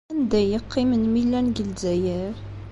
Anda ay qqimen mi llan deg Lezzayer?